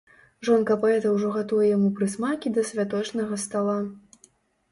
Жонка паэта ўжо гатуе яму прысмакі да святочнага стала.